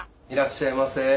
いらっしゃいませ。